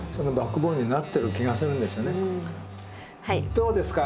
どうですか？